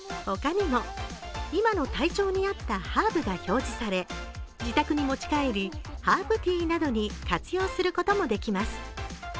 他にも、今の体調に合ったハーブが表示され自宅に持ち帰り、ハーブティーなどに活用することもできます。